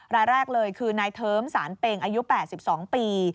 รายแรกเลยคือนายเทิมสารเป็งอายุ๘๒ปี